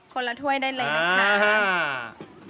คนละถ้วยได้เลยนะคะ